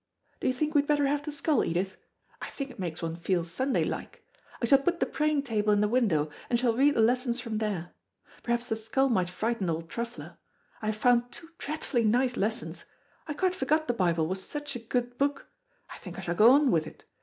Do you think we'd better have the skull, Edith? I think it makes one feel Sunday like. I shall put the praying table in the window, and shall read the lessons from there. Perhaps the skull might frighten old Truffler. I have found two dreadfully nice lessons. I quite forgot the Bible was such a good book. I think I shall go on with it.